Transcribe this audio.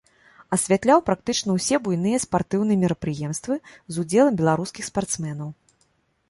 Асвятляў практычна ўсе буйныя спартыўныя мерапрыемствы з удзелам беларускіх спартсменаў.